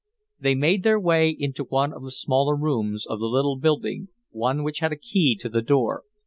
They made their way into one of the smaller rooms of the little building, one which had a key to the door.